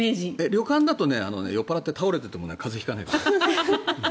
旅館だと酔っ払って倒れてても風邪引かないですよ。